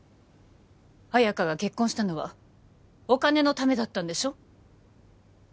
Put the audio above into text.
綾華が結婚したのはお金のためだったんでしょ？